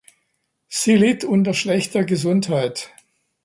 Sie litt unter schlechter Gesundheit.